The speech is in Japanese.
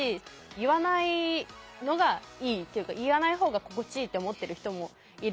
言わないのがいいっていうか言わない方が心地いいって思ってる人もいるから。